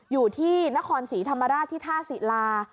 อยู่ที่นครศรีธรรมราชที่ท่าศิลา